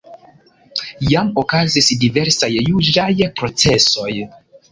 Jam okazis diversaj juĝaj procesoj.